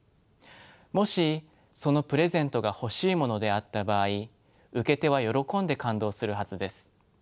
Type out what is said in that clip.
もしそのプレゼントが欲しいものであった場合受け手は喜んで感動するはずです。